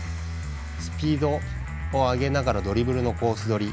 スピードを上げながらドリブルのコース取り。